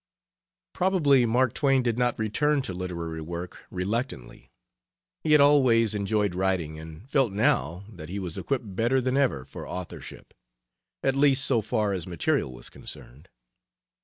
Probably Mark Twain did not return to literary work reluctantly. He had always enjoyed writing and felt now that he was equipped better than ever for authorship, at least so far as material was concerned.